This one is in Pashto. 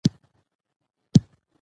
ماشومان د خوب او خوراک وخت ته پابند دي.